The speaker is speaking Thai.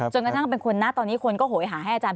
กระทั่งเป็นคนนะตอนนี้คนก็โหยหาให้อาจารย